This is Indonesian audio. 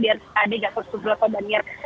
di rspad gatot sublok dan banyar